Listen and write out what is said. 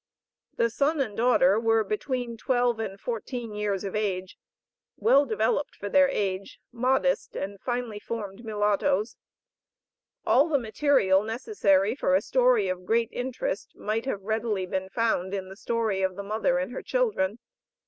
The son and daughter were between twelve and fourteen years of age; well developed for their age, modest, and finely formed mulattoes. All the material necessary for a story of great interest, might have readily been found in the story of the mother and her children.